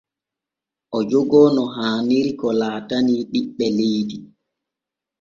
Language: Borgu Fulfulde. O jogoo no haaniri ko laatanii ɓiɓɓe leydi.